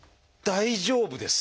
大丈夫です。